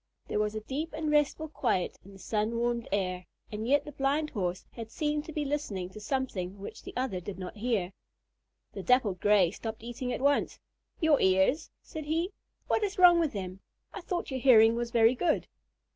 There was a deep and restful quiet in the sun warmed air, and yet the Blind Horse had seemed to be listening to something which the other did not hear. The Dappled Gray stopped eating at once. "Your ears?" said he. "What is wrong with them? I thought your hearing was very good."